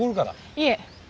いえ。